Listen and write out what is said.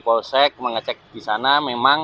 posek mengecek disana memang